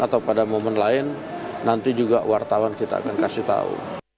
atau pada momen lain nanti juga wartawan kita akan kasih tahu